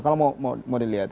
kalau mau dilihat